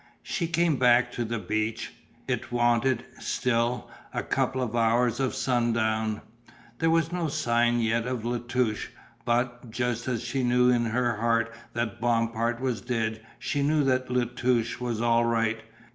She came back to the beach. It wanted, still, a couple of hours of sun down. There was no sign yet of La Touche, but, just as she knew in her heart that Bompard was dead she knew that La Touche was all right.